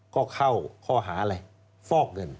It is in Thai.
ก็เข้าข้อหาอะไรฟอกเงิน